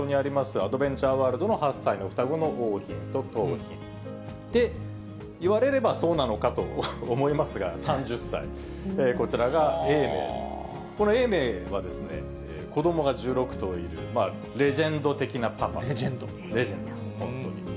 アドベンチャーワールドの８歳の双子の桜浜と桃浜で、言われればそうなのかと思いますが、３０歳、こちらが永明、この永明はですね、子どもが１６頭いるレジェンド的なパパ、レジェンドです、本当に。